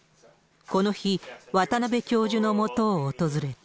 この日、渡邉教授のもとを訪れた。